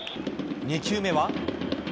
２球目は。